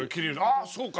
「ああそうか」